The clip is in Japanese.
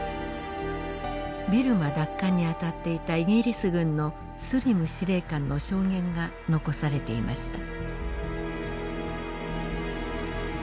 ビルマ奪還に当たっていたイギリス軍のスリム司令官の証言が残されていました。